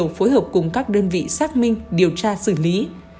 cơ quan công an đã phối hợp cùng các đơn vị xác minh điều tra xử lý